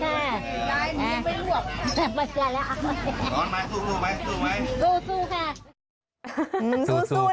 ทำความดีเพื่อในหลวงค่ะ